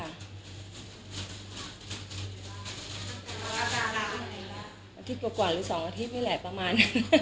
อาทิตย์กว่าหรือ๒อาทิตย์นี่แหละประมาณ